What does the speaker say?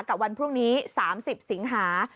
วันพรุ่งนี้๓๐สิงหา